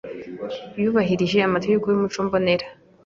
Yubahirije amategeko y’ímico mbonera,